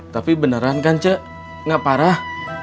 tapi beneran kan cak gak parah